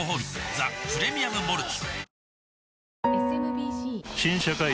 ザ・プレミアム・モルツ」